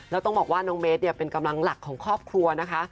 แล้วต้องบอกว่าน้องเบสเนี่ยเป็นกำลังหลักของครอบครัวนะคะ